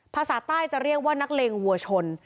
ภาษาใต้จะเรียกว่านักเลงวัวชน